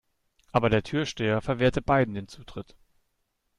Aber der Türsteher verwehrte beiden den Zutritt.